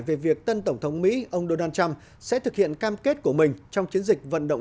về việc tân tổng thống mỹ do ông donald trump sẽ thực hiện cam kết của mình trong chiến dịch vận động